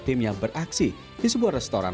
tim yang beraksi di sebuah restoran